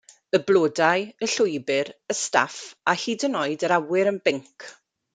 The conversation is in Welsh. Y blodau, y llwybr, y staff a hyd yn oed yr awyr yn binc!